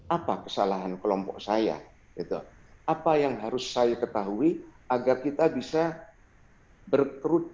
apa kesalahan kelompok saya apa yang harus saya ketahui agar kita bisa berkerudut